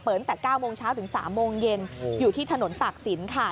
ตั้งแต่๙โมงเช้าถึง๓โมงเย็นอยู่ที่ถนนตากศิลป์ค่ะ